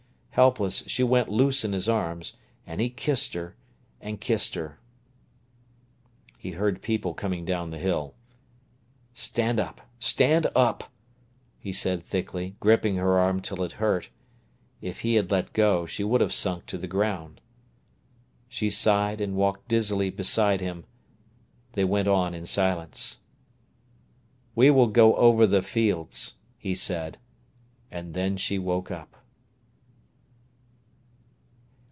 Helpless, she went loose in his arms, and he kissed her, and kissed her. He heard people coming down the hill. "Stand up! stand up!" he said thickly, gripping her arm till it hurt. If he had let go, she would have sunk to the ground. She sighed and walked dizzily beside him. They went on in silence. "We will go over the fields," he said; and then she woke up.